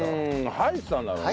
吐いてたんだろうね。